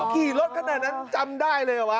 กี่รถขนาดนั้นจำได้เลยวะ